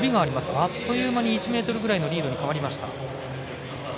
あっという間に１ｍくらいのリードに変わりました。